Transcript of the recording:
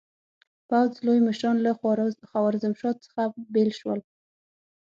پوځ لوی مشران له خوارزمشاه څخه بېل شول.